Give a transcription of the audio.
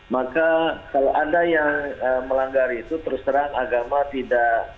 maka kalau ada yang melanggar itu terus terang agama tidak